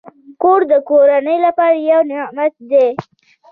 کور د کورنۍ لپاره یو نعمت دی.